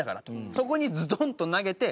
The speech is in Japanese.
そこにズドンと投げて３三振。